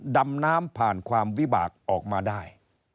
ดำน้ำผ่านความวิบากออกมาได้